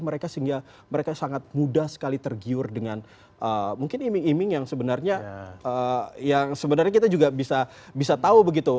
mereka sehingga mereka sangat mudah sekali tergiur dengan mungkin iming iming yang sebenarnya yang sebenarnya kita juga bisa tahu begitu